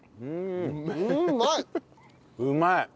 うまい！